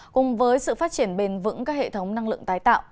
cùng với sự phát triển bền vững các hệ thống năng lượng tái tạo